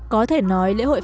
có thể nói lễ hội pháo hoa